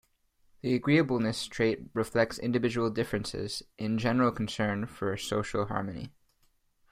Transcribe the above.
The agreeableness trait reflects individual differences in general concern for social harmony.